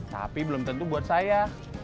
ada pak tapi belum tentu buat saya